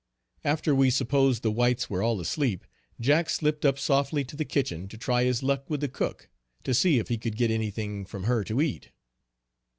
After we supposed the whites were all asleep, Jack slipped up softly to the kitchen to try his luck with the cook, to see if he could get any thing from her to eat.